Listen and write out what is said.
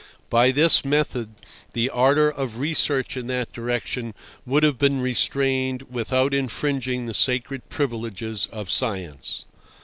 By this method the ardour of research in that direction would have been restrained without infringing the sacred privileges of science.